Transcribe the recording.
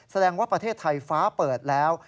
แสดงว่าประเทศไทยฟ้าเปิดแล้ว